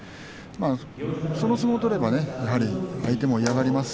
その相撲を取ればね相手も嫌がります